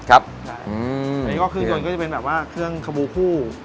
อันนี้ก็เครื่องยนต์ก็จะเป็นแบบว่าเครื่องขบูคู่